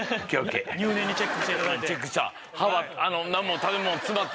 入念にチェックして頂いて。